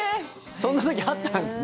そんな時あったんですね。